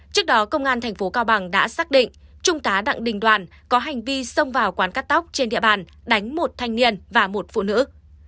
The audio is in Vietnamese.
trước đó công an tp cao bằng đã xác định trung tá đặng đình đoàn có hành vi xông vào quán cắt tóc trên địa bàn đánh một thanh niên và một phụ nữ